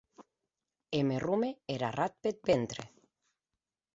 E me rome er arrat peth vrente.